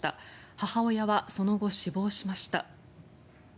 母親はその後、死亡しました。